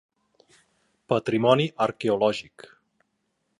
Patrimoni Arqueològic.